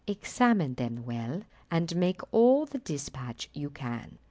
Examine them well, and make all the dispatch you can."